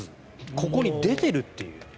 ここに出ているっていう。